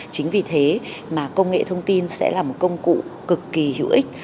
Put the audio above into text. chính vì thế mà công nghệ thông tin sẽ là một công cụ cực kỳ hữu ích